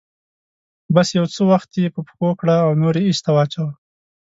بس يو څه وخت يې په پښو کړه او نور يې ايسته واچوه.